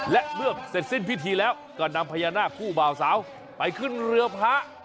และเมื่อเสร็จสิ้นพิธีแล้วก็นำพญานาคคู่บ่าวสาวไปขึ้นเรือพระ